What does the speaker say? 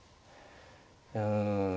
うん。